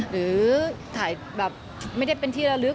หรือถ่ายแบบไม่ได้เป็นที่ระลึก